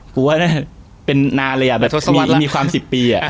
ก็ว่าไปเป็นนานเลยอะมีความสิบปีอะ